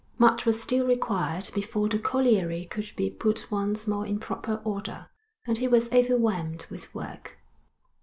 Much was still required before the colliery could be put once more in proper order, and he was overwhelmed with work.